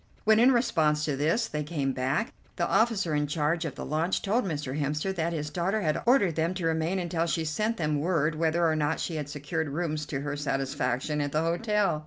When, in response to this, they came back, the officer in charge of the launch told Mr. Hemster that his daughter had ordered them to remain until she sent them word whether or not she had secured rooms to her satisfaction at the hotel.